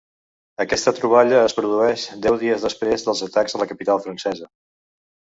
Aquesta troballa es produeix deu dies després dels atacs a la capital francesa.